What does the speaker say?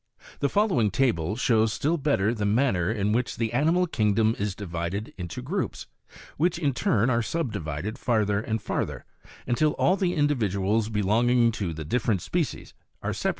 The following table shows still better the manner in which the animal kingdom is divided into groups, which in turn are sub di vided farther and farther, until all the individuals belonging to the different species are separated from each other.